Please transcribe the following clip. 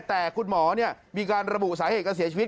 แต่คุณหมอมีการระบุสาเหตุการเสียชีวิต